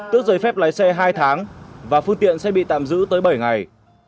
tức giới phép lái xe hai tháng và phương tiện sẽ bị tạm giữ tới bảy ngày